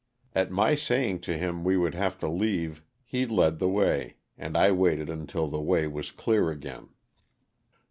At my saying to him we would have to leave he led the way, and I waited until the way was clear again.